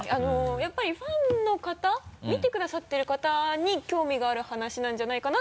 やっぱりファンの方見てくださってる方に興味がある話なんじゃないかな？